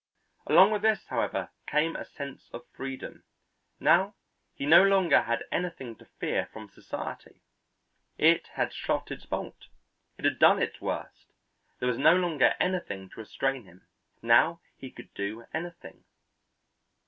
Along with this, however, came a sense of freedom. Now he no longer had anything to fear from society; it had shot its bolt, it had done its worst, there was no longer anything to restrain him, now he could do anything.